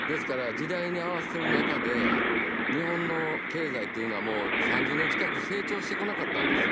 時代に合わせる中で日本の経済というのはもう、３０年近く成長してこなかったんです。